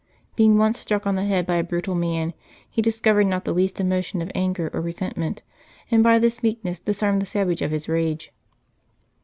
Being once struck on the head by a brutal man, he discovered not the least emotion of anger or resentment, and by this meekness disarmed the savage of his rage.